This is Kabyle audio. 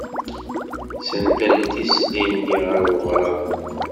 Senndent isili-nni ɣer weɣrab.